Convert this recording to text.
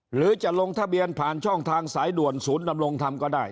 หรือจะลงทะเบียนผ่านช่องทางสายด่วนศูนย์ดำรงธรรมก็ได้